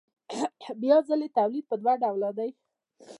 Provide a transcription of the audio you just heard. بیا ځلي تولید په دوه ډوله دی